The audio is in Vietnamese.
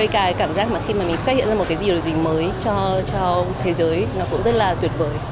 cái cảm giác mà khi mà mình phát hiện ra một cái gì điều gì mới cho thế giới nó cũng rất là tuyệt vời